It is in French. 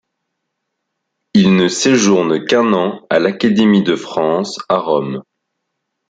Il ne séjourne qu'un an à l'Académie de France à Rome.